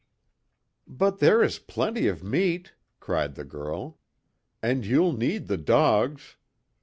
"But, there is plenty of meat!" cried the girl, "And you'll need the dogs!